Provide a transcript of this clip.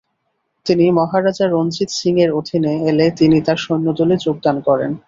তিনি মহারাজা রঞ্জিত সিংয়ের অধীনে এলে তিনি তার সৈন্যদলে যোগদান করেন।